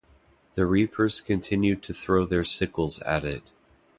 The reapers continue to throw their sickles at it.